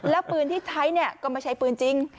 แล้วปืนที่ไทท์เนี่ยก็มาใช้ปืนจริง